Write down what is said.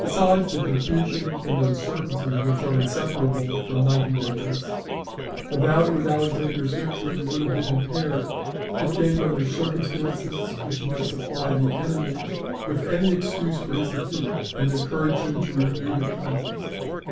Besides the confusion and uncertainty which are inseparable from night engagements, the value of Alexander's victory would have been impaired, if gained under circumstances which might supply the enemy with any excuse for his defeat, and encourage him to renew the contest.